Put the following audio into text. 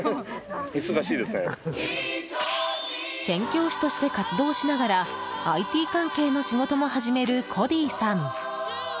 宣教師として活動しながらＩＴ関係の仕事も始めるコディさん。